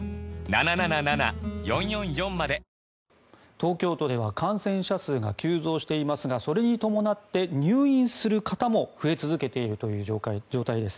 東京都では感染者数が急増していますがそれに伴って入院する方も増え続けているという状態です。